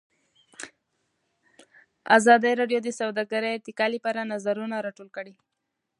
ازادي راډیو د سوداګري د ارتقا لپاره نظرونه راټول کړي.